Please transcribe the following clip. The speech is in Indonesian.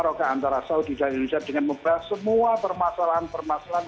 roka antara saudi dan indonesia dengan membahas semua permasalahan permasalahan